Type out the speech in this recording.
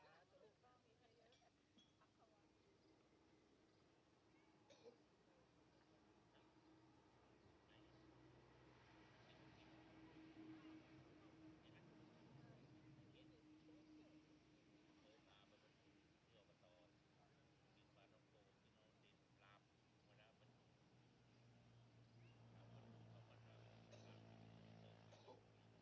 โปรดติดตามตอนต่อไป